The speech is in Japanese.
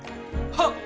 はっ！